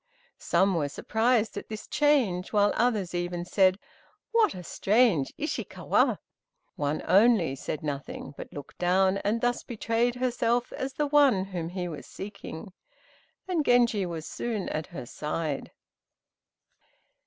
Some were surprised at this change, while others even said, "What a strange Ishi kawa!" One only said nothing, but looked down, and thus betrayed herself as the one whom he was seeking, and Genji was soon at her side.